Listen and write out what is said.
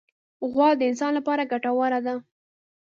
غوا د انسان لپاره ګټوره ده.